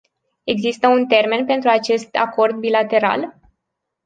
Există un termen pentru acest acord bilateral?